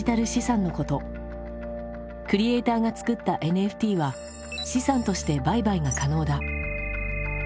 クリエーターが作ったＮＦＴは資産として売買が可能だ。